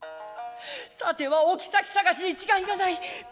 さてはお妃さがしに違いがない。